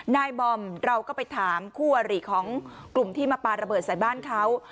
นายบอมเราก็ไปถามคู่อริของกลุ่มที่มาปลาระเบิดใส่บ้านเขา